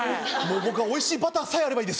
僕はおいしいバターさえあればいいです